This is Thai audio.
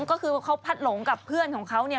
ก็คือเขาพัดหลงกับเพื่อนของเขาเนี่ย